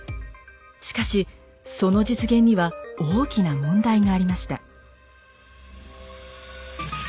しかしその実現には大きな問題がありました。